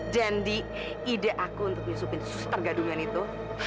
dan di ide aku untuk nyusupin sus tergadungan itu